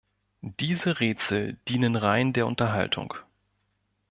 Diese Rätsel dienen rein der Unterhaltung.